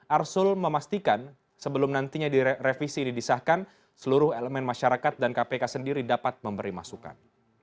arsul memastikan sebelum nantinya direvisi ini disahkan seluruh elemen masyarakat dan kpk sendiri dapat memberi masukan